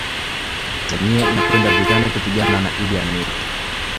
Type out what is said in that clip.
Tanzania inakwenda vitani kupigana na Iddi Amini